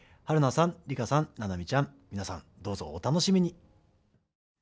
春菜さん、梨花さんななみちゃん、皆さんどうぞお楽しみに！